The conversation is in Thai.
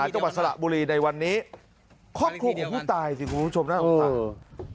จังหวัดสระบุรีในวันนี้ครอบครัวของผู้ตายสิคุณผู้ชมน่าสงสาร